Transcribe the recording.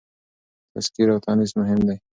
تذکير او تانيث مهم دي.